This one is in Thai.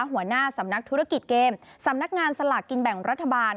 หัวหน้าสำนักธุรกิจเกมสำนักงานสลากกินแบ่งรัฐบาล